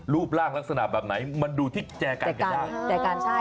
รูปร่างลักษณะแบบไหนมันดูที่แจกันกับญาติ